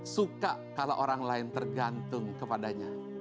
suka kalau orang lain tergantung kepadanya